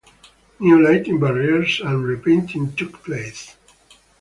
New lighting, barriers and repainting took place.